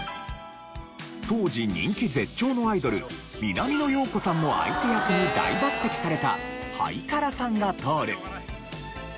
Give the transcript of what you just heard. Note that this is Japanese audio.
当時人気絶頂のアイドル南野陽子さんの相手役に大抜擢された『はいからさんが通る』。